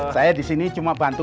saya disini cuma bantu berkumpul